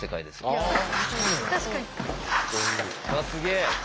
うわっすげえ。